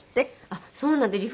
あっそうなんです。